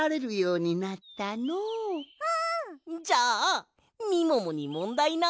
じゃあみももにもんだいな。